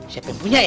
siapa yang punya ya